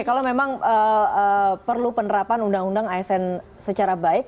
kalau memang perlu penerapan undang undang asn secara baik